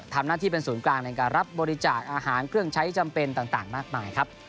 ทำหน้าที่เป็นศูนย์กลางในการรับบริจาคอาหารเครื่องใช้จำเป็นต่างมากมายครับ